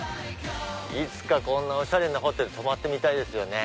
いつかこんなおしゃれなホテル泊まってみたいですよね。